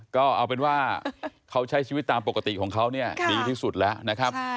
ก็เอาเป็นว่าเขาใช้ชีวิตตามปกติของเขาเนี่ยดีที่สุดแล้วนะครับ